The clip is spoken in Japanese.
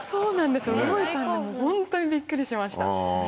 動いたんでホントにびっくりしました。